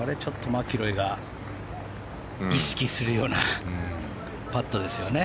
マキロイが意識するようなパットですね。